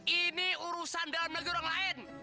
ini urusan dalam negeri orang lain